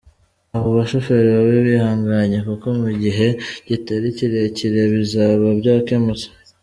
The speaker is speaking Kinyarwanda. Abo bashoferi babe bihanganye kuko mu gihe kitari kirekire bizaba byakemutse.